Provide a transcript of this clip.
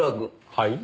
はい？